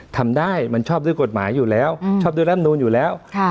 ทำได้มันชอบด้วยกฎหมายอยู่แล้วชอบด้วยร่ำนูนอยู่แล้ว